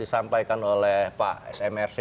disampaikan oleh pak smrc